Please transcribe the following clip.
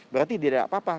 berarti tidak apa apa